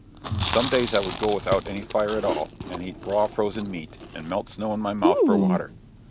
Some days I would go without any fire at all, and eat raw frozen meat and melt snow in my mouth for water.